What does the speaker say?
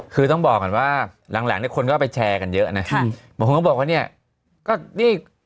คือต้องบอกนะว่าหลังคนก็ไปแชร์กันเยอะเนี้ยผมคงพอบอกว่าเนี้ยก็นี่